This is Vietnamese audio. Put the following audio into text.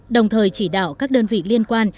đồng thời chỉ đạo các đơn vị liên quan